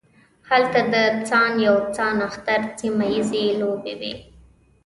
هلته د سان یو سان اختر سیمه ییزې لوبې وې.